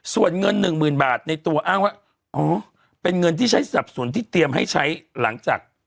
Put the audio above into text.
ส่วนเงิน๑หมื่นบาทในตัวเป็นเงินที่ใช้สับสนที่เตรียมให้ใช้หลังจาก